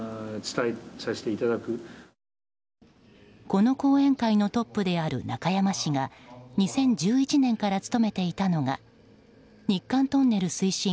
この後援会のトップである中山氏が２０１１年から務めていたのが日韓トンネル推進